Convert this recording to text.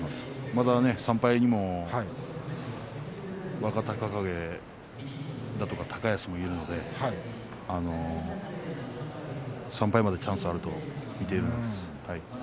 まだ３敗にも若隆景とか高安もいるので３敗までチャンスはあると見ています。